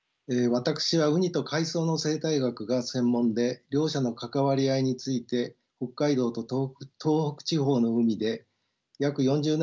私はウニと海藻の生態学が専門で両者の関わり合いについて北海道と東北地方の海で約４０年間潜水して研究を行ってきました。